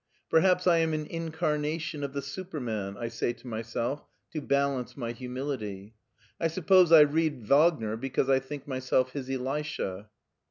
Perhaps I am an incarnation of the ' Superman,' I say to myself, to balance my humility. I suppose I read Wagner because I think myself his Elisha."